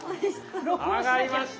揚がりました。